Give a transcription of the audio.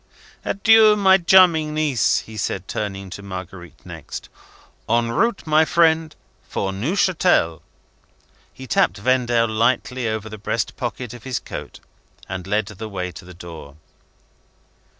"Adieu, my charming niece!" he said, turning to Marguerite next. "En route, my friend, for Neuchatel!" He tapped Vendale lightly over the breast pocket of his coat and led the way to the door.